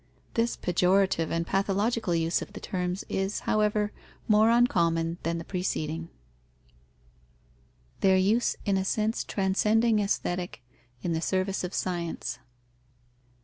This pejorative and pathological use of the terms is, however, more uncommon than the preceding. _Their use in a sense transcending aesthetic, in the service of science.